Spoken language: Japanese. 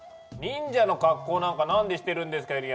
忍者の格好なんか何でしてるんですか